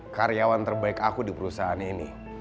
karyawan terbaik aku di perusahaan ini